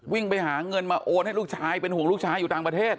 วิ่งไปหาเงินมาโอนให้ลูกชายเป็นห่วงลูกชายอยู่ต่างประเทศ